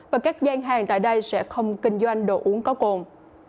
và các gian hàng tại đây sẽ không kinh doanh đồ uống có cồn